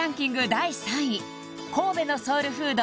第３位神戸のソウルフード